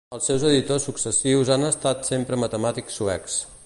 Els seus editors successius han estat sempre matemàtics suecs.